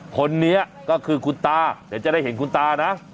คนนี้ก็คือคุณตาเดี๋ยวจะได้เห็นคุณตานะ